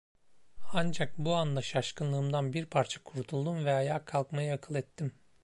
Ancak bu anda şaşkınlığımdan bir parça kurtuldum ve ayağa kalkmayı akıl ettim.